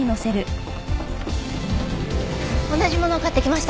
同じものを買ってきました。